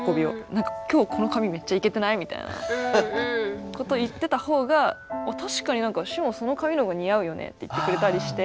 何か今日この髪めっちゃイケてない？みたいなことを言ってた方が「確かに志帆その髪の方が似合うよね」って言ってくれたりして。